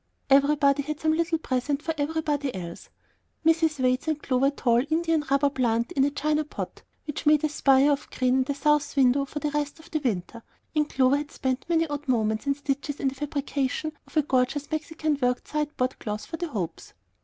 Everybody had some little present for everybody else. Mrs. Wade sent Clover a tall india rubber plant in a china pot, which made a spire of green in the south window for the rest of the winter; and Clover had spent many odd moments and stitches in the fabrication of a gorgeous Mexican worked sideboard cloth for the Hopes.